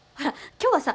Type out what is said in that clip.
今日はさ